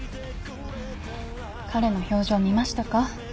彼の表情見ましたか？